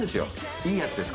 いいやつです